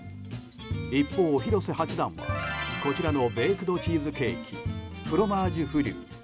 一方、広瀬八段はこちらのベイクドチーズケーキ「フロマージュフリュイ」。